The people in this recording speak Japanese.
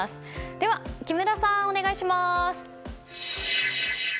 では木村さんお願いします。